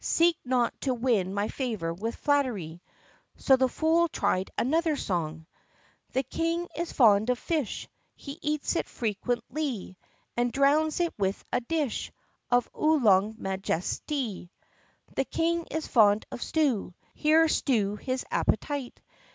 "Seek not to win my favor with flattery!" So the fool tried another song : "The King is fond of fish; He eats it frequentlee And drowns it with a dish Of Oolong Majestea. "The King is fond of stew. Here stew his appetite!